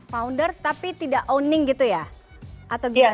founder tapi tidak owning gitu ya atau gimana